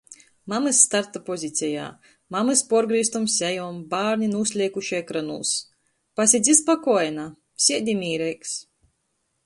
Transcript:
Mamys starta pozicejā. Mamys puorgrīztom sejom, bārni nūsleikuši ekranūs. Pasidzi spakoina. Siedi mīreigs.